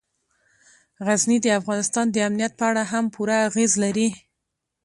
غزني د افغانستان د امنیت په اړه هم پوره اغېز لري.